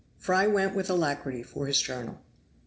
Fry went with alacrity for his journal.